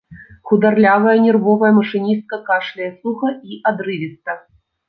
Хударлявая нервовая машыністка кашляе суха і адрывіста.